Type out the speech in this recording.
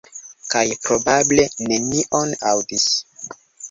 Kaj, probable, nenion aŭdis.